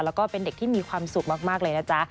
แล้วก็เป็นเด็กที่มีความสุขมากเลยนะจ๊ะ